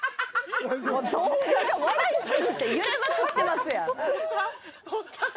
動画が笑いすぎて揺れまくってますやん。